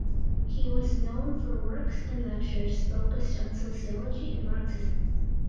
He was known for works and lectures focused on sociology and Marxism.